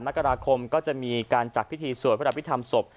วัน๑๘มกราคมก็จะมีการจัดพิธีสวยพระวิธรรมศพ